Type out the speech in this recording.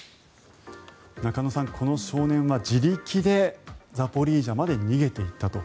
中野さん、この少年は自力でザポリージャまで逃げていったと。